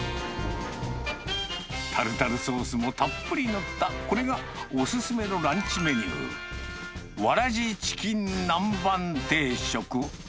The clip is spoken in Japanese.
タルタルソースもたっぷり載った、これがお勧めのランチメニュー、わらじチキン南蛮定食。